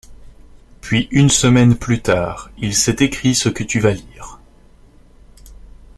Puis, une semaine plus tard, il s’est écrit ce que tu vas lire.